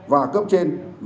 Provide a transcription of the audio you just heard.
và các bộ chính sĩ